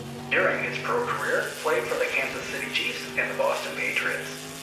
During his pro-career, played for the Kansas City Chiefs and the Boston Patriots.